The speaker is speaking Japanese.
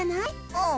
うん。